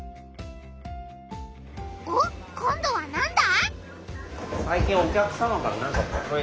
おっ今どはなんだ？